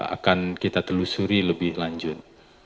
akan kita telusuri lebih lanjut